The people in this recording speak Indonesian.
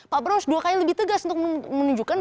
pak prabowo harus dua kali lebih tegas untuk menunjukkan